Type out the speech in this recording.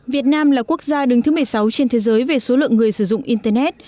việt nam là quốc gia đứng thứ một mươi sáu trên thế giới về số lượng người sử dụng internet